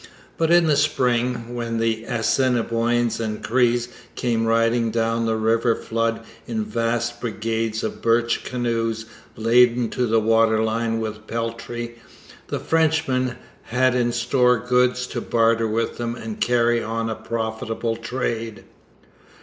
But in the spring, when the Assiniboines and Crees came riding down the river flood in vast brigades of birch canoes laden to the waterline with peltry, the Frenchmen had in store goods to barter with them and carried on a profitable trade.